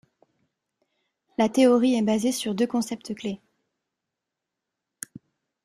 La théorie est basée sur deux concepts clés.